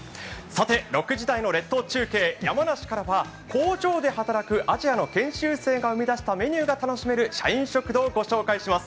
６時台の列島中継、山梨からは工場で働くアジアの研修生が生み出したメニューが楽しめる社員食堂をご紹介します。